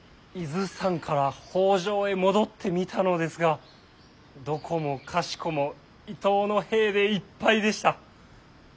伊豆山から北条へ戻ってみたのですがどこもかしこも伊東の兵でいっぱいでした。